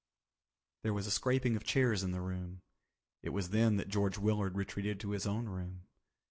There was a scraping of chairs in the room. It was then that George Willard retreated to his own room.